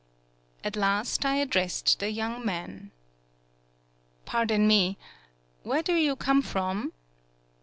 At last I addressed the young man. "Pardon me. Where do you come from?"